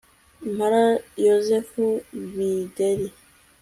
Impara Yozefu Bideri